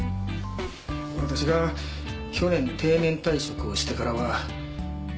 私が去年定年退職をしてからは邪魔者扱いで。